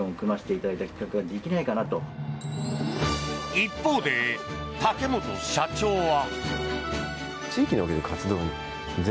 一方で、竹本社長は。